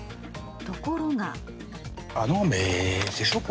ところが。